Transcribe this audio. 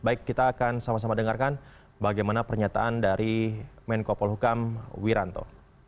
baik kita akan sama sama dengarkan bagaimana pernyataan dari menko polhukam wiranto